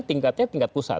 tingkatnya tingkat pusat